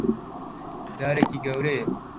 دارێکی گەورەیە.